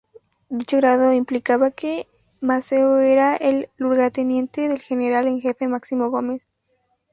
Dicho grado implicaba que Maceo era el lugarteniente del general en jefe Máximo Gómez.